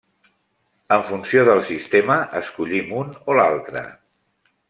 En funció del sistema escollim un o l'altre.